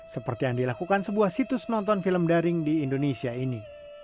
seperti yang dilakukan sebuah situs nonton film daring di indonesia ini